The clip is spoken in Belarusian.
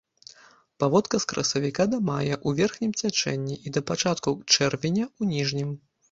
Паводка з красавіка да мая ў верхнім цячэнні і да пачатку чэрвеня ў ніжнім.